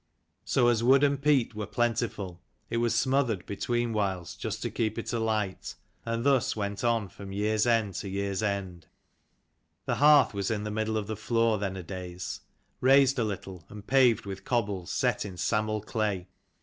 So as wood and peat were plentiful, it was smoth ered between whiles just to keep it alight, and thus went on from year's end to year's end. The hearth was in the middle of the floor, then a days, raised a little and paved with cobbles set in sammel clay.